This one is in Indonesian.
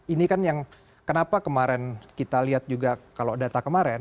ini kan yang kenapa kemarin kita lihat juga kalau data kemarin